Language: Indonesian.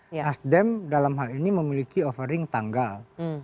nasdem dalam hal ini memiliki offering tanggal